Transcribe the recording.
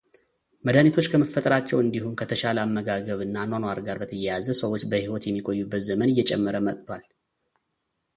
መድኃኒቶች ከመፈጠራቸው እንዲሁም ከተሻለ አመጋገብ እና አኗኗር ጋር በተያያዘ ሰዎች በሕይወት የሚቆዩበት ዘመን እየጨመረ መጥቷል።